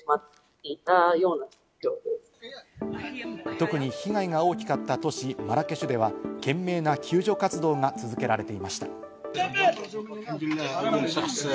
特に被害が大きかった都市、マラケシュでは懸命な救助活動が続けられていました。